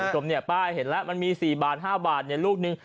จมป้ายเห็นแล้วมันมี๔๕บาทในลูกนึง